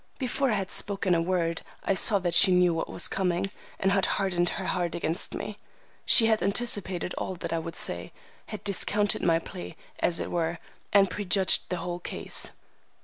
Before I had spoken a word I saw that she knew what was coming, and had hardened her heart against me. She had anticipated all that I would say, had discounted my plea, as it were, and prejudged the whole case.